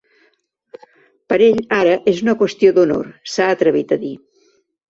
Per ell, ara és una qüestió d’honor, s’ha atrevit a dir.